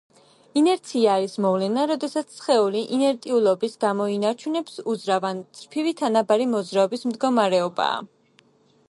ინერცია არის მოვლენა, როდესაც სხეული ინერტიულობის გამო ინარჩუნებს უძრავ ან წრფივი თანაბარი მოძრაობის მდგომარეობაა.